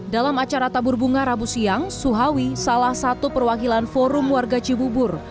dalam acara tabur bunga rabu siang suhawi salah satu perwakilan forum warga cibubur